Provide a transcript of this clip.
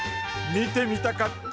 見てみたかった。